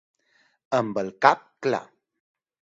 Amb el cap clar.